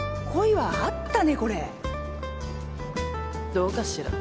どうかしら。